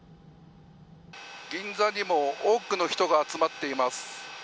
銀座にも多くの人が集まっています。